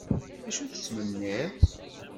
Acu tettmenniḍ?